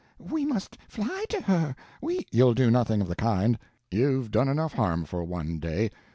We must fly to her. We " "You'll do nothing of the kind; you've done enough harm for one day.